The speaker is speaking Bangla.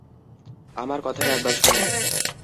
আমার কথাটা একবার শুন।